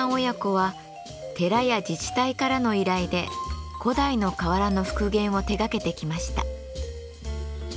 親子は寺や自治体からの依頼で古代の瓦の復元を手がけてきました。